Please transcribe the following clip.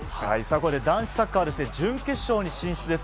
これで男子サッカーは準決勝に進出です。